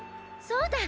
そうだ！